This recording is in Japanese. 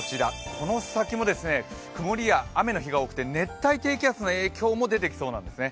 この先も曇りや雨の日が多くて熱帯低気圧の影響も出てきそうなんですね。